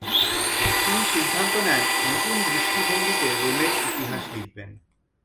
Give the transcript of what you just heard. তিনি সিদ্ধান্ত নেন নতুন দৃষ্টিভঙ্গিতে রোমের ইতিহাস লিখবেন।